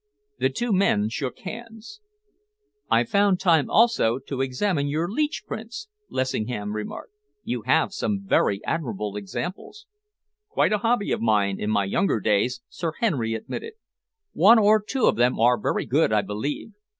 The two men shook hands. "I found time also to examine your Leech prints," Lessingham remarked. "You have some very admirable examples." "Quite a hobby of mine in my younger days," Sir Henry admitted. "One or two of them are very good, I believe.